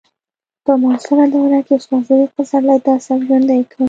په معاصره دوره کې استاد صدیق پسرلي دا سبک ژوندی کړ